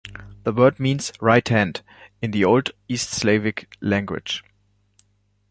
The word means "right hand" in the Old East Slavic language.